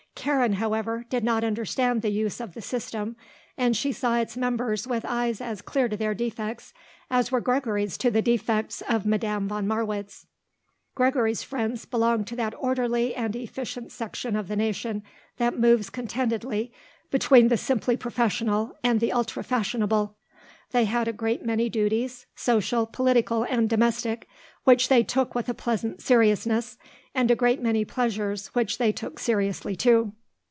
Karen, however, did not understand the use of the system and she saw its members with eyes as clear to their defects as were Gregory's to the defects of Madame von Marwitz. Gregory's friends belonged to that orderly and efficient section of the nation that moves contentedly between the simply professional and the ultra fashionable. They had a great many duties, social, political and domestic, which they took with a pleasant seriousness, and a great many pleasures which they took seriously, too.